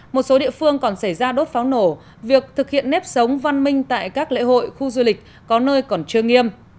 một số địa phương còn xảy ra đốt pháo nổ việc thực hiện nếp sống văn minh tại các lễ hội khu du lịch có nơi còn chưa nghiêm